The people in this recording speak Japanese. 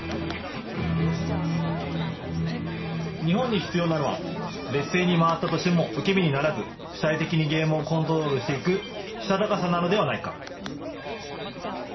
日本に必要なのは劣勢に回ったとしても受け身にならず、主体的にゲームをコントロールしていくしたたかさなのではないか。